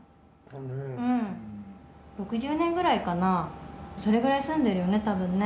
６０年くらいかな、それぐらい住んでいるよね、たぶんね。